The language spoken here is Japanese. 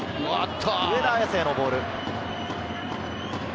上田へのボール。